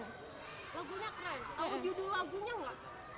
lagunya keren atau judul lagunya nggak